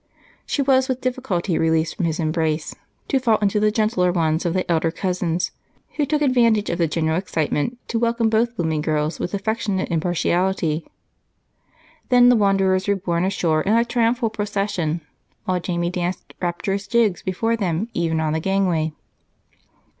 She was with difficulty released from his embrace to fall into the gentler ones of the elder cousins, who took advantage of the general excitement to welcome both blooming girls with affectionate impartiality. Then the wanderers were borne ashore in a triumphal procession, while Jamie danced rapturous jigs before them even on the gangway.